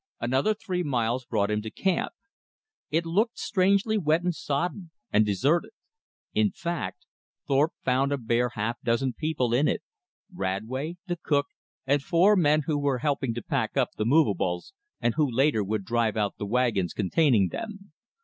Another three miles brought him to camp. It looked strangely wet and sodden and deserted. In fact, Thorpe found a bare half dozen people in it, Radway, the cook, and four men who were helping to pack up the movables, and who later would drive out the wagons containing them.